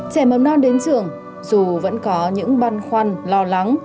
trẻ mầm non đến trường dù vẫn có những băn khoăn lo lắng